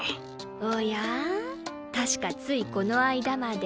おやぁ確かついこの間まで。